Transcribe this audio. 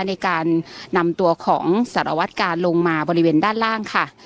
ในการนำตัวของสารวัตกาลลงมาบริเวณด้านล่างค่ะ